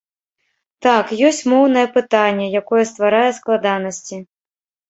Так, ёсць моўнае пытанне, якое стварае складанасці.